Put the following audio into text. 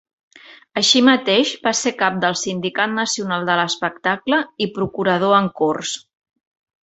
Així mateix va ser cap del Sindicat Nacional de l'Espectacle i procurador en Corts.